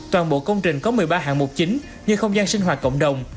toàn bộ công trình có một mươi ba hạng mục chính như không gian sinh hoạt cộng đồng